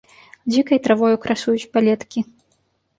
Дзікай травою красуюць палеткі.